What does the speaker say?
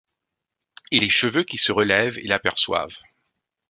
Et les cheveux qui se relèvent et l'aperçoivent.